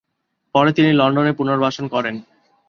পরে তিনি লন্ডনে পুনর্বাসন করেন।